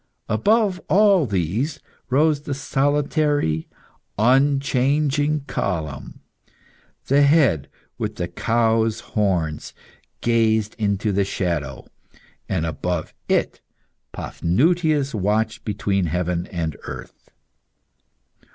Above all these rose the solitary, unchanging column; the head with the cow's horns gazed into the shadow, and above it Paphnutius watched between heaven and earth.